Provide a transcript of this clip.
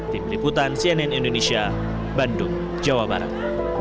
tim liputan cnn indonesia bandung jawa barat